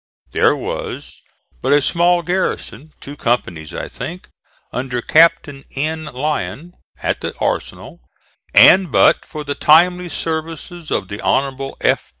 There was but a small garrison, two companies I think, under Captain N. Lyon at the arsenal, and but for the timely services of the Hon. F.